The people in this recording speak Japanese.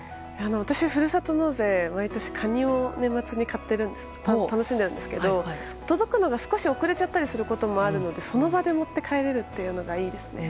私も、ふるさと納税は毎年カニを年末に買って楽しんでるんですけど届くのが少し遅れることもあるのでその場で持って帰れるのはいいですね。